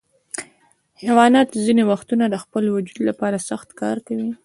حیوانات ځینې وختونه د خپل وجود لپاره سخت کار کوي.